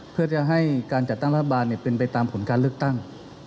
เพื่อจะให้การจัดตั้งรัฐบาลเป็นไปตามผลการเลือกตั้ง